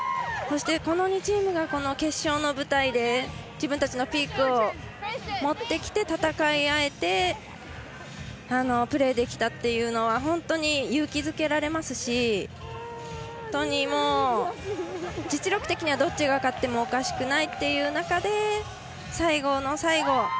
そして、この２チームが決勝の舞台で自分たちのピークを持ってきて戦い合えて、プレーできたのは本当に勇気づけられますし本当に実力的にはどっちが勝ってもおかしくないという中で最後の最後